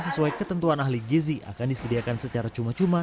sesuai ketentuan ahli gizi akan disediakan secara cuma cuma